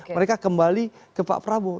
mereka kembali ke pak prabowo